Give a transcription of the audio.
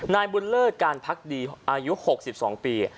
นายบุญเลิศการพักดีอายุ๖๒ปี